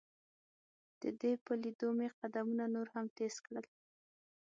د دې په لیدو مې قدمونه نور هم تیز کړل.